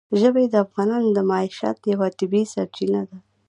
ژبې د افغانانو د معیشت یوه طبیعي سرچینه ده.